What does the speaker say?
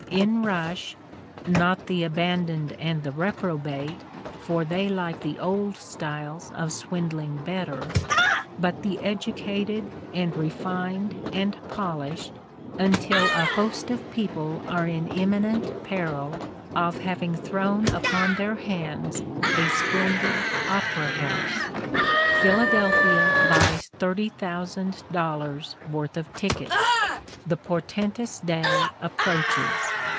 In rush, not the abandoned and the reprobate (for they like the old styles of swindling better), but the educated and refined and polished, until a host of people are in imminent peril of having thrown upon their hands a splendid Opera House. Philadelphia buys thirty thousand dollars worth of tickets. The portentous day approaches.